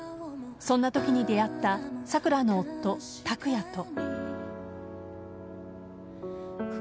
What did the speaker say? そんな時に出会ったさくらの夫・卓弥と。